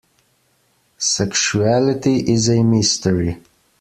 Sexuality is a mystery.